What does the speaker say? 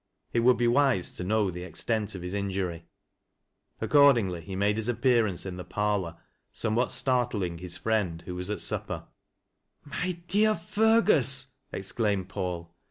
It wi/uld be wise to know the extent of his injury. Accordingly, he made his appearance in the parlor, wmewhat startling his friend, who was at supper, "My dear Fergus I " exclaimed Paul.